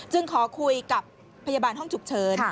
ขอคุยกับพยาบาลห้องฉุกเฉิน